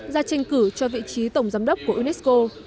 ra tranh cử cho vị trí tổng giám đốc của unesco